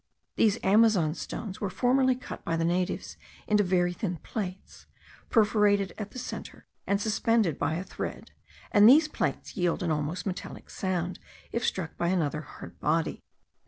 These Amazon stones were formerly cut by the natives into very thin plates, perforated at the centre, and suspended by a thread, and these plates yield an almost metallic sound if struck by another hard body.